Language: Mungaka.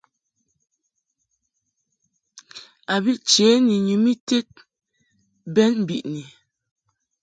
A bi che ni nyum ited bɛn biʼni.